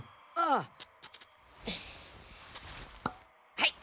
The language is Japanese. はい。